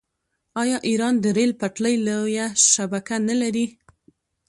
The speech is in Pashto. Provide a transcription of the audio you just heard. آیا ایران د ریل پټلۍ لویه شبکه نلري؟